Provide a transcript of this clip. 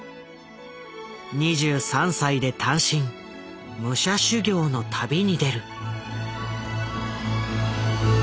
２３歳で単身武者修行の旅に出る。